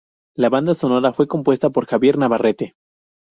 La banda sonora fue compuesta por Javier Navarrete.